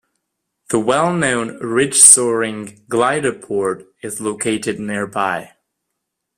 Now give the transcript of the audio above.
The well known Ridge Soaring Gliderport is located nearby.